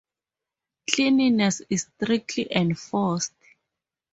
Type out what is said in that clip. Cleanliness is strictly enforced.